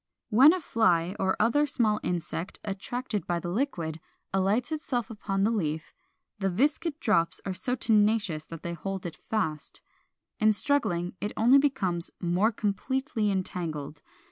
When a fly or other small insect, attracted by the liquid, alights upon the leaf, the viscid drops are so tenacious that they hold it fast. In struggling it only becomes more completely entangled.